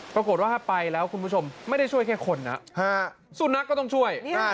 ปรากฏว่าถ้าไปแล้วคุณผู้ชมไม่ได้ช่วยแค่คนนะสุนัขก็ต้องช่วย